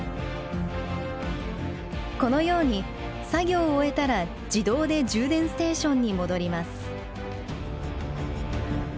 このように作業を終えたら自動で充電ステーションに戻ります。